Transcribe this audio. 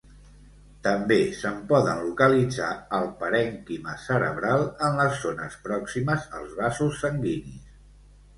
També se’n poden localitzar al parènquima cerebral, en les zones pròximes als vasos sanguinis.